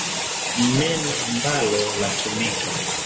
Nneno ambalo latumika.